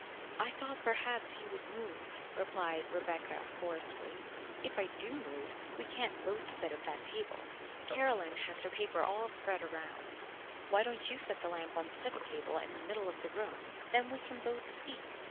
"I thought perhaps you would move," replied Rebecca hoarsely. "If I do move, we can't both sit at that table. Caroline has her paper all spread around. Why don't you set the lamp on the study table in the middle of the room, then we can both see?"